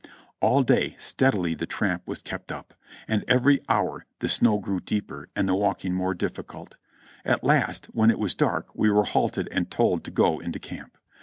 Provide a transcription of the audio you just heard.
All day steadily the tramp was kept up, and every hour the snow grew deeper and the walking more difficult. At last when it was dark we were halted and told to go into camp.